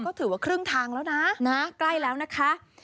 ก็ถือว่าครึ่งทางแล้วนะใกล้แล้วนะคะ